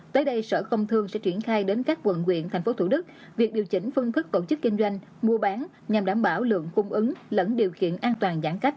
tới đây sở công thương sẽ triển khai đến các quận quyện thành phố thủ đức việc điều chỉnh phân thức cộng chức kinh doanh mua bán nhằm đảm bảo lượng cung ứng lẫn điều khiển an toàn giãn cách